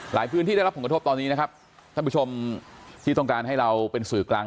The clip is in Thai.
พื้นที่ได้รับผลกระทบตอนนี้นะครับท่านผู้ชมที่ต้องการให้เราเป็นสื่อกลาง